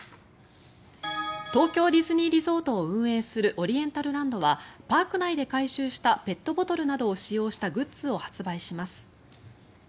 東京ディズニーリゾートを運営するオリエンタルランドはパーク内で回収したペットボトルなどを使用したグッズを発売します。